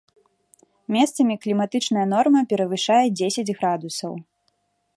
Месцамі кліматычная норма перавышае дзесяць градусаў.